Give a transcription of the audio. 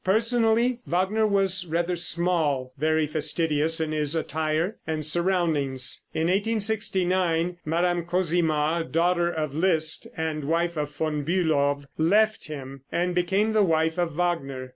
Personally Wagner was rather small, very fastidious in his attire and surroundings. In 1869 Mme. Cosima, daughter of Liszt, and wife of Von Bülow, left him and became the wife of Wagner.